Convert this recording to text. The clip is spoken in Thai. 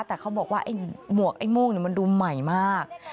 แต่เขาบอกว่าไอ้หมวกไอ้โม่งมันดูใหม่มาก